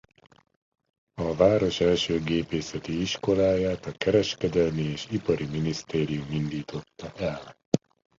A város első gépészeti iskoláját a Kereskedelmi és Ipari Minisztérium indította el.